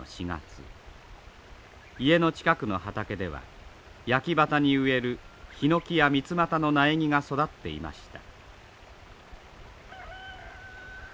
家の近くの畑では焼畑に植えるヒノキやミツマタの苗木が育っていました。